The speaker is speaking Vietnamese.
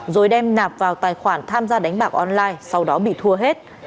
rồi đem nạp vào tài khoản tham gia đánh bạc online sau đó bị thua hết